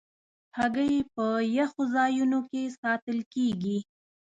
هګۍ په یخو ځایونو کې ساتل کېږي.